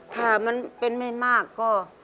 ถ้ามันเป็นไม่มากก็